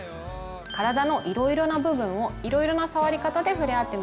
体のいろいろな部分をいろいろな触り方でふれあってみましょう。